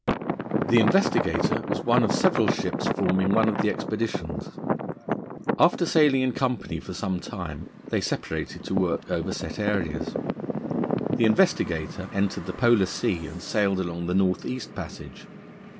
The Investigator was one of several ships forming one of the expeditions. After sailing in company for some time they separated to work over set areas. The Investigator entered the Polar Sea and sailed along the North East Passage.